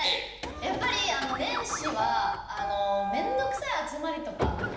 やっぱり年始はめんどくさい集まりとか。